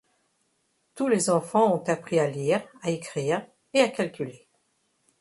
Tous les enfants ont appris à lire, à écrire et à calculer.